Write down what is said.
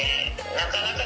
なかなか。